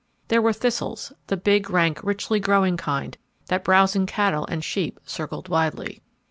There were thistles, the big, rank, richly growing, kind, that browsing cattle and sheep circled widely.